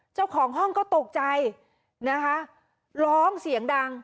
เจ้าของห้องก็ตกใจนะคะร้องเสียงดัง